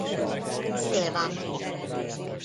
Tél van.